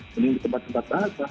mending di tempat tempat apa